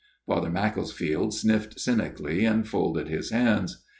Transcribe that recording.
Father Macclesfield sniffed cynically, and folded his hands.